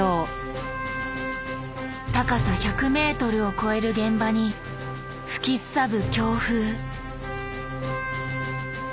高さ１００ｍを超える現場に吹きすさぶ強風。